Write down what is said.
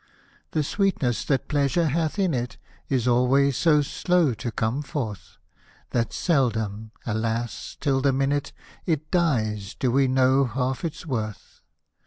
The sweetness that pleasure hath in it, Is always so slow to come forth, That seldom, alas, till the minute It dies, do we know half its worth.